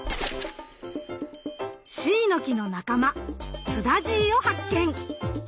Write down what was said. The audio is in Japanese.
シイの木の仲間スダジイを発見！